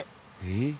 「えっ？」